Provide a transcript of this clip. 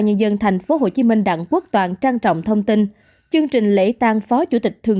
nhân dân tp hcm đặng quốc toàn trang trọng thông tin chương trình lễ tan phó chủ tịch thường